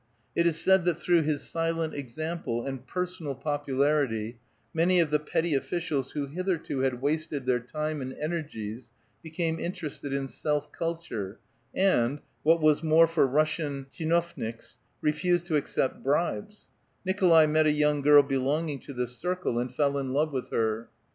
It is said that through his silent example and personal popularity many of the petty officials who hitherto had wasted their time and energies became interested in selfrculture, and, what was more for Russian tchinovniks^ refused to accept bribes, Nikolai' met a young girl belonging to this cii*cle, and fell in love with her.